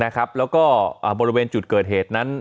แล้วก็บริเวณจุดเกิดเหตุนั้น